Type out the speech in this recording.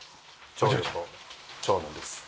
長女と長男です。